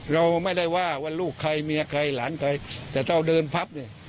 เราไม่ได้ว่าว่าลูกใครเมียใครหลานใครแต่ถ้าเราเดินพับเนี่ย